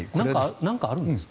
何かあるんですか？